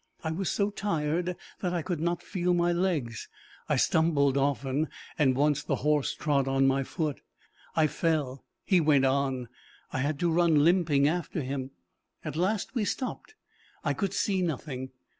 I was so tired that I could not feel my legs. I stumbled often, and once the horse trod on my foot. I fell; he went on; I had to run limping after him. At last we stopped. I could see nothing.